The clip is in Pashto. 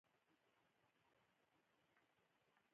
د ایران کیسه پای نلري.